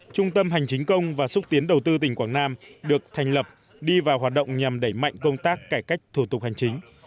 trung tâm hành chính công và xúc tiến đầu tư tỉnh quảng nam được thành lập đi vào hoạt động nhằm đẩy mạnh công tác cải cách thủ tục hành chính